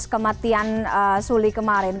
kematian suli kemarin